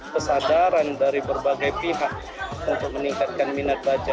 kesadaran dari berbagai pihak untuk meningkatkan minat baca